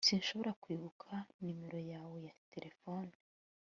Sinshobora kwibuka numero yawe ya terefone